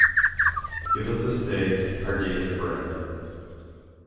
Give us this day our daily bread;